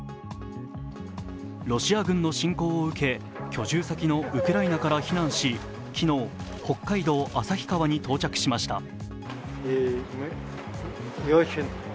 ロシア軍の侵攻を受け、居住先のウクライナから避難し、昨日、北海道旭川に到着しました。